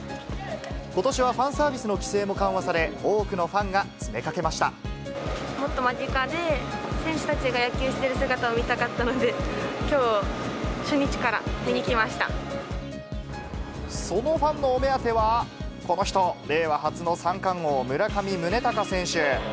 ことしはファンサービスの規制も緩和され、多くのファンが詰めかもっと間近で選手たちが野球してる姿を見たかったので、きょう、そのファンのお目当ては、この人、令和初の三冠王、村上宗隆選手。